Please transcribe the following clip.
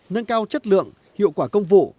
nâng cao chất lượng hiệu quả công vụ